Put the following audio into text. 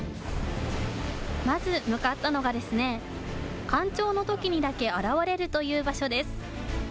まず向かったのがですね、干潮のときにだけ現れるという場所です。